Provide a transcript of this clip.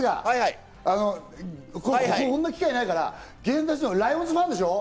こんな機会ないから、ライオンズファンでしょ？